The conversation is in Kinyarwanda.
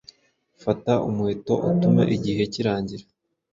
Fata umuheto, 'utume igihe kirangira